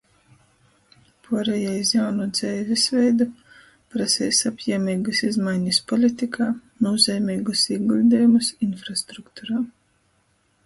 Puoreja iz jaunu dzeivis veidu praseis apjiemeigys izmainis politikā, nūzeimeigus īguļdejumus infrastrukturā.